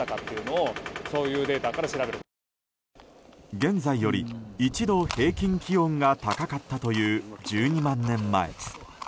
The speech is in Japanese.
現在より１度、平均気温が高かったという１２万年前。